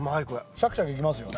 シャキシャキいきますよね。